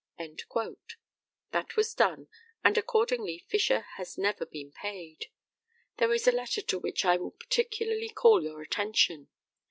That was done, and accordingly Fisher has never been paid. There is a letter to which I will particularly call your attention.